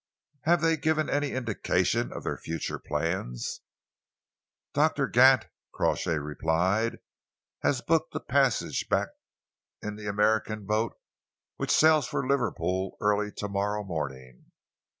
"Have they given any indication of their future plans?" "Doctor Gant," Crawshay replied, "has booked a passage back in the American boat which sails for Liverpool early to morrow morning.